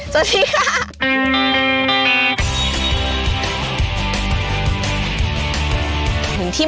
สวัสดีค่ะ